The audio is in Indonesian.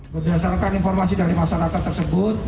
berdasarkan informasi dari masyarakat tersebut